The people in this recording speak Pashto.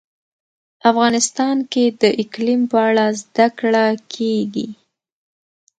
افغانستان کې د اقلیم په اړه زده کړه کېږي.